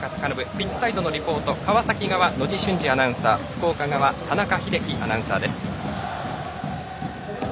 ピッチサイドのリポート川崎側・野地俊二アナウンサー福岡側・田中秀樹アナウンサー。